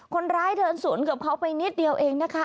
คนร้ายเดินสวนกับเขาไปนิดเดียวเองนะคะ